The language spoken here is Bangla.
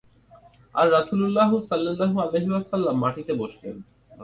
আর রাসূলুল্লাহ সাল্লাল্লাহু আলাইহি ওয়াসাল্লাম মাটিতে বসলেন।